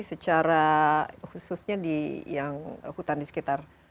secara khususnya yang hutan di sekitar